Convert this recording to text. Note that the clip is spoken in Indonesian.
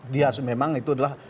dia memang itu adalah